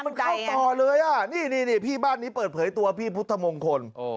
มันเข้าต่อเลยอ่ะนี่พี่บ้านนี้เปิดเผยตัวพี่พุทธมงคล